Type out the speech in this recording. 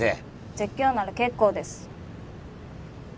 説教なら結構です。